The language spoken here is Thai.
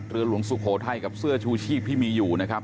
หลวงสุโขทัยกับเสื้อชูชีพที่มีอยู่นะครับ